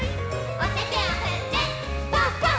おててをふってパンパン！